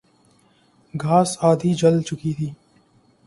گھاس آدھی جل چکی تھی